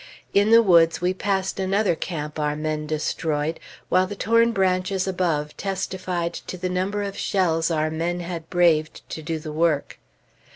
In the woods, we passed another camp our men destroyed, while the torn branches above testified to the number of shells our men had braved to do the work.